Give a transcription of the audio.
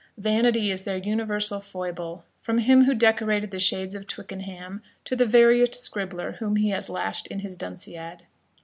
Vanity is their universal foible, from him who decorated the shades of Twickenham, to the veriest scribbler whom he has lashed in his Dunciad.